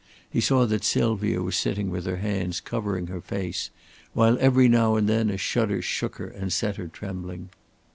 He saw that Sylvia was sitting with her hands covering her face, while every now and then a shudder shook her and set her trembling.